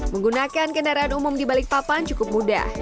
menggunakan kendaraan umum di balikpapan cukup mudah